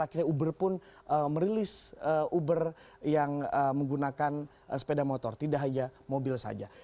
akhirnya uber pun merilis uber yang menggunakan sepeda motor tidak hanya mobil saja